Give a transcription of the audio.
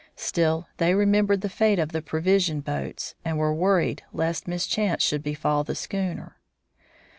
Still, they remembered the fate of the provision boats, and were worried lest mischance should befall the schooner.